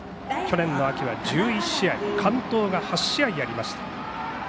去年の秋は１１試合完投が８試合ありました。